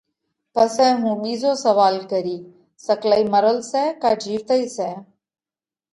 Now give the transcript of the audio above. پسئہ هُون ٻِيزو سوئال ڪرِيه: سڪلئِي مرل سئہ ڪا جِيوَتئِي سئہ؟